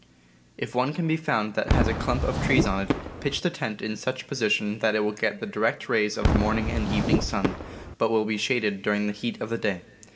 If one can be found that has a clump of trees on it, pitch the tent in such position that it will get the direct rays of the morning and the evening sun, but will be shaded during the heat of the day.